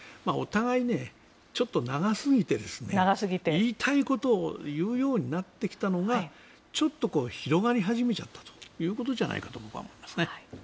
お互いにちょっと長すぎて言いたいことを言うようになってきたのがちょっと広がり始めちゃったということじゃないかと僕は思いますね。